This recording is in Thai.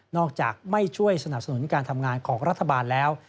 อกจากไม่ช่วยสนับสนุนการทำงานของรัฐบาลแล้ว